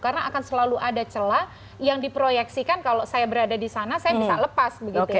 karena akan selalu ada celah yang diproyeksikan kalau saya berada di sana saya bisa lepas